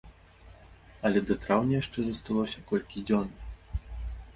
Але да траўня яшчэ засталося колькі дзён.